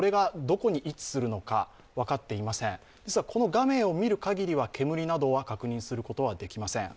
この画面を見るかぎりは、煙などは確認することができません。